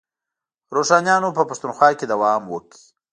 روښانیانو په پښتونخوا کې دوام وکړ.